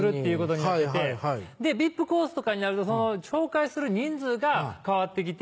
ビップコースとかになるとその紹介する人数が変わって来て。